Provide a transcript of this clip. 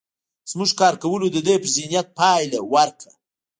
زموږ کار کولو د ده پر ذهنيت پايله ورکړه.